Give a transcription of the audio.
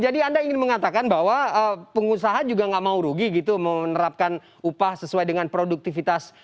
jadi anda ingin mengatakan bahwa pengusaha juga enggak mau rugi gitu menerapkan upah sesuai dengan produktivitas buruh